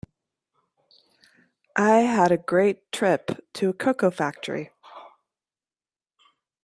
I had a great trip to a cocoa factory.